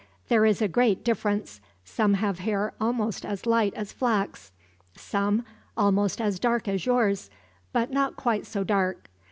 There is a great difference. Some have hair almost as light as flax; some almost as dark as yours, but not quite so dark.